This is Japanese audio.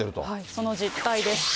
その実態です。